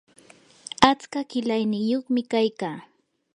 atska qilayniyuqmi kaykaa